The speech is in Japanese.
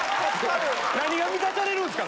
何が満たされるんすか